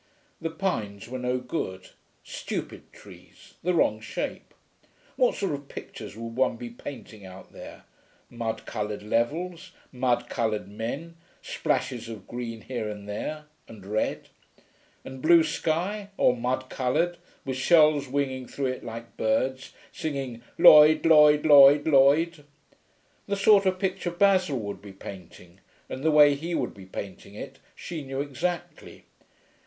The pines were no good: stupid trees, the wrong shape. What sort of pictures would one be painting out there? Mud coloured levels, mud coloured men, splashes of green here and there ... and red.... And blue sky, or mud coloured, with shells winging through it like birds, singing, 'Lloyd Lloyd Lloyd Lloyd.'... The sort of picture Basil would be painting and the way he would be painting it she knew exactly.